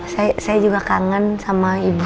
saya juga kangen sama ibu